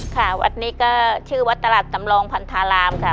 ค่ะวัดนี้ก็ชื่อวัดตลาดสำรองพันธารามค่ะ